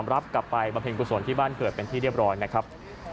รับกลับไปบำเพ็ญกุศลที่บ้านเกิดเป็นที่เรียบร้อยนะครับ